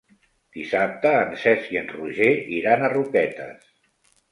Dissabte en Cesc i en Roger iran a Roquetes.